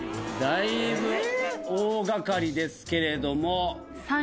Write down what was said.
だいぶ大掛かりですけれども。